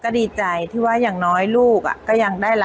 ก็เป็นสถานที่ตั้งมาเพลงกุศลศพให้กับน้องหยอดนะคะ